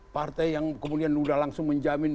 partai yang kemudian sudah langsung menjamin